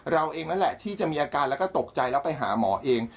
เราเองนั่นแหละที่จะมีอาการแล้วก็ตกใจแล้วไปหาหมอเอง